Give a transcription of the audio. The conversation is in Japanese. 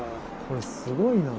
これすごいな。